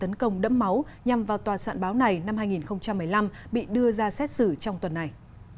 trong vụ tấn công đẫm máu nhằm vào tòa soạn báo này năm hai nghìn một mươi năm bị đưa ra xét xử trong tuần này